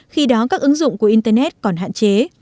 khi đó các ứng dụng của internet còn hạn chế